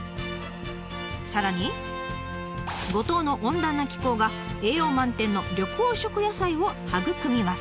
さらに五島の温暖な気候が栄養満点の緑黄色野菜を育みます。